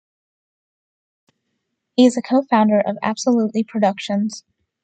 He is a co-founder of Absolutely Productions.